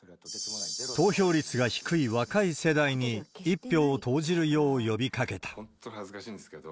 投票率が低い若い世代に、一票を投じるよう呼びかけた。